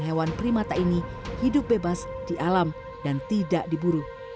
hewan primata ini hidup bebas di alam dan tidak diburu